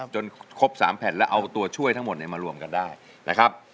จนครบ๓แผ่นแล้วเอาตัวช่วยทั้งหมดมารวมกันได้นะครับ